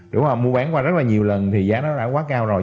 đúng không mua bán qua rất là nhiều lần thì giá nó đã quá cao rồi